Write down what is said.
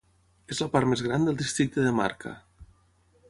És la part més gran del districte de Marka.